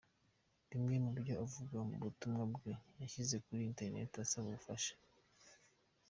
Bimwe mu byo avuga mu butumwa bwe yashyize kuri Internet asaba ubufasha.